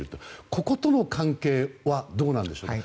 こことの関係はどうなんでしょうか。